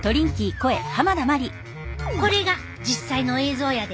これが実際の映像やで。